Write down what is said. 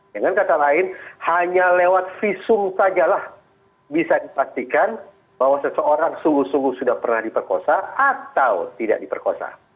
dengan kata lain hanya lewat visum sajalah bisa dipastikan bahwa seseorang sungguh sungguh sudah pernah diperkosa atau tidak diperkosa